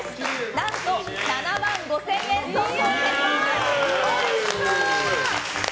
何と７万５０００円相当になります。